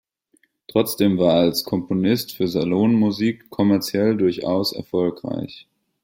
Trotzdem war er als Komponist für Salonmusik kommerziell durchaus erfolgreich.